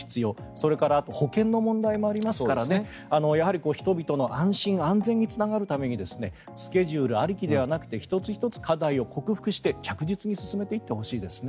それから保険の問題もありますからやはり人々の安心安全につながるためにスケジュールありきではなくて１つ１つ課題を克服して着実に進めていってほしいですね。